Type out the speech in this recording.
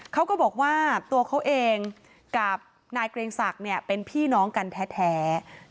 เขาก็บอกว่าตัวเขาเองกับนายเกรงศักดิ์เนี่ยเป็นพี่น้องกันแท้